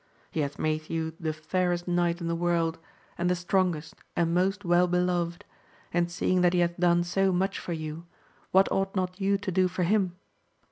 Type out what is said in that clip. He hath made you the fairest knight in the world, and the strongest, and most weU beloved, and seeing that he hath done so much for you, what ought not you to do for him